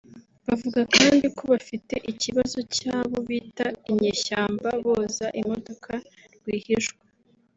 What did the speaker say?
Bavuga kandi ko bafite ikibazo cy’abo bita “Inyeshyamba” boza imodoka rwihishwa